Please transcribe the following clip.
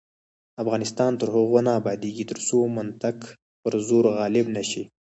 افغانستان تر هغو نه ابادیږي، ترڅو منطق پر زور غالب نشي.